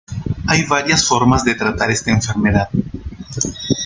Hay varias formas de tratar esta enfermedad.